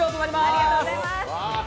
ありがとうございます。